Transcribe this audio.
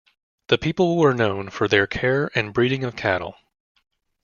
The people were known for their care and breeding of cattle.